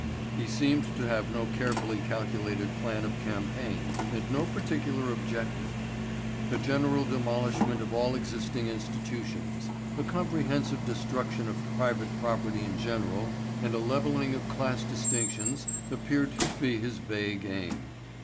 He seemed to have no carefully calculated plan of campaign and no particular objective. A general demolishment of all existing institutions, a comprehensive destruction of private property in general and a leveling of class distinctions appeared to be his vague aim.